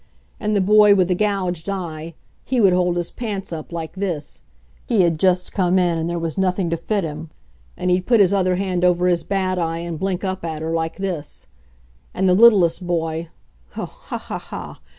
"And the boy with the gouged eye he would hold his pants up like this. He had just come in, and there was nothing to fit him. And he'd put his other hand over his bad eye and blink up at her like this. And the littlest boy oh, ha! ha!